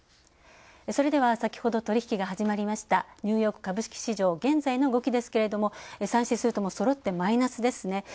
それでは、先ほど取引が始まりましたニューヨーク株式市場、現在の動きですけれども３指数ともそろってマイナスですね。